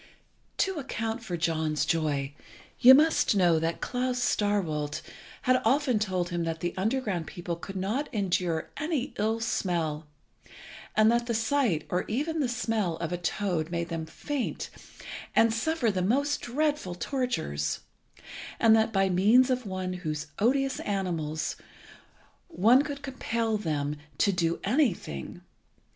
To account for John's joy, you must know that Klas Starkwolt had often told him that the underground people could not endure any ill smell, and that the sight, or even the smell, of a toad made them faint, and suffer the most dreadful tortures, and that by means of one of those odious animals one could compel them to do anything.